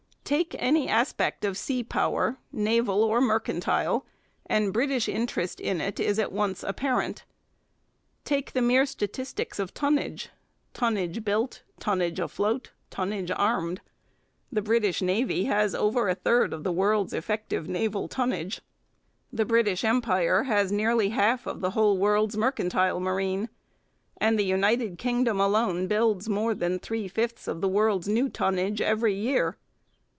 Take any aspect of sea power, naval or mercantile, and British interest in it is at once apparent. Take the mere statistics of tonnage tonnage built, tonnage afloat, tonnage armed. The British Navy has over a third of the world's effective naval tonnage; the British Empire has nearly half of the whole world's mercantile marine; and the United Kingdom alone builds more than three fifths of the world's new tonnage every year.